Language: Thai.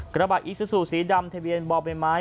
กระบะอิสสุสีดำเทเวียนบ่อใบไม้